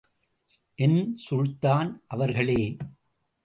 என் சுல்தான் அவர்களே!